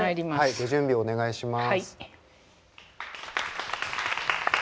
ご準備お願いします。